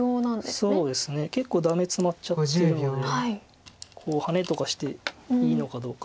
結構ダメツマっちゃってるのでハネとかしていいのかどうか。